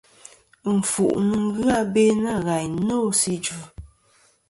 Ɨnfuʼ nɨn ghɨ abe nâ ghàyn nô sɨ idvɨ.